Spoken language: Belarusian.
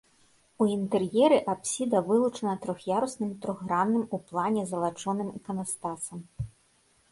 У інтэр'еры апсіда вылучана трох'ярусным трохгранным у плане залачоным іканастасам.